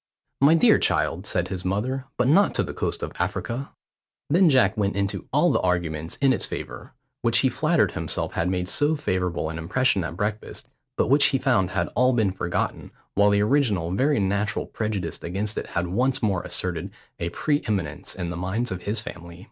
"My dear child," said his mother, "but not to the coast of Africa." Then Jack went into all the arguments in its favour, which he flattered himself had made so favourable an impression at breakfast, but which he found had all been forgotten, while the original very natural prejudice against it had once more asserted a pre eminence in the minds of his family.